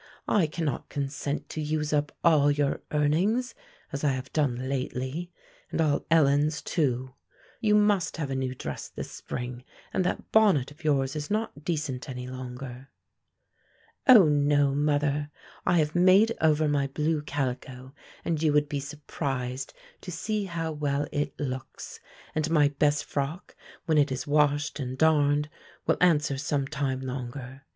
"I cannot consent to use up all your earnings, as I have done lately, and all Ellen's too; you must have a new dress this spring, and that bonnet of yours is not decent any longer." "O, no, mother! I have made over my blue calico, and you would be surprised to see how well it looks; and my best frock, when it is washed and darned, will answer some time longer.